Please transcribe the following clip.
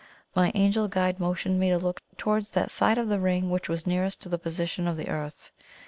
My Angel guide motioned me to look towards that side of the Ring which was nearest to the position of the Earth.